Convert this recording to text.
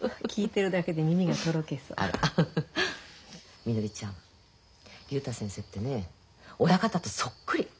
みのりちゃん竜太先生ってね親方とそっくり。